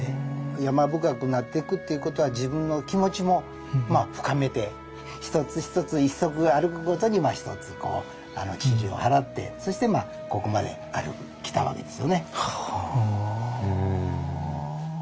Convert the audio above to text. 山深くなってくっていうことは自分の気持ちもまあ深めて一つ一つ一足歩くごとに一つちりを払ってそしてここまで歩いてきたわけですよね。